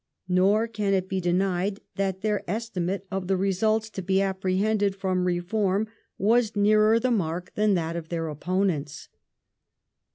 Nor can it be denied that their estimate of the results to be apprehended from reform was nearer the mark than that of their opponents.